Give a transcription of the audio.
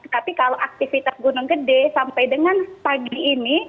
tapi kalau aktivitas gunung gede sampai dengan pagi ini